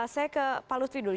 saya ke pak lutri dulu